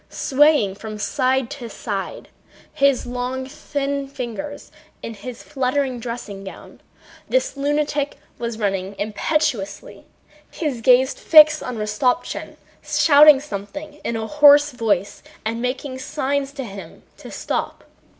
Swaying from side to side on his long, thin legs in his fluttering dressing gown, this lunatic was running impetuously, his gaze fixed on Rostopchín, shouting something in a hoarse voice and making signs to him to stop.